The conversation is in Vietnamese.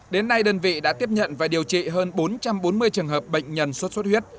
đến nay đơn vị đã tiếp nhận và điều trị hơn bốn trăm bốn mươi trường hợp bệnh nhân sốt xuất huyết